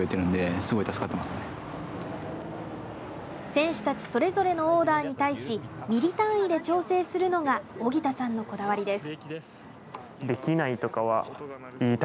選手たちそれぞれのオーダーに対しミリ単位で調整するのが荻田さんのこだわりです。